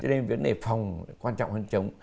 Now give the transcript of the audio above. cho nên vấn đề phòng quan trọng hơn chống